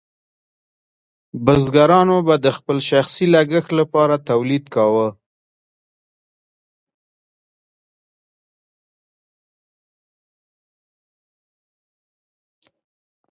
بزګرانو به د خپل شخصي لګښت لپاره تولید کاوه.